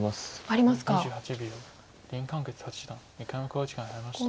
林漢傑八段１回目の考慮時間に入りました。